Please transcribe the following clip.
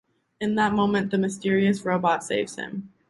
In that moment, the mysterious robot saves him.